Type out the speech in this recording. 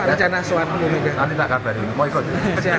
nanti tak akan berhenti